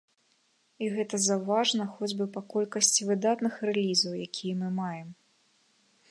І гэта заўважна хоць бы па колькасці выдатных рэлізаў, якія мы маем.